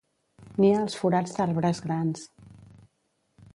Nia als forats d'arbres grans.